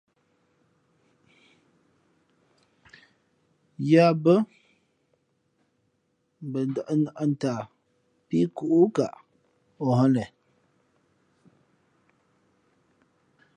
Yǎ bᾱ mbα ndᾱʼ nα̌ʼ ntaa pí kǔʼkaʼ ǒ hᾱ len.